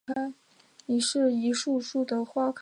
它们主要吃鱼类。